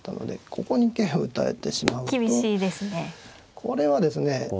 これはですね